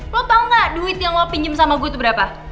lo tau gak duit yang lo pinjem sama gue tuh berapa